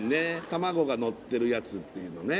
たまごがのってるやつっていうのね？